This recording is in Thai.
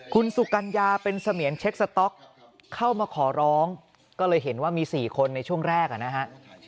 คุณสุกัญญาเป็นเสมียนเช็คสต๊อกเข้ามาขอร้องก็เลยเห็นว่ามี๔คนในช่วงแรกนะฮะ